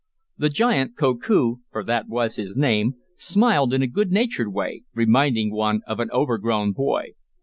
The giant, Koku, for that was his name, smiled in a good natured way, reminding one of an overgrown boy.